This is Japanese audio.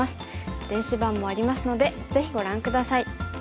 電子版もありますのでぜひご覧下さい。